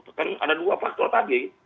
tidak ada faktor tadi